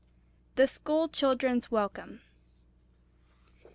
THE SCHOOL CHILDREN'S WELCOME.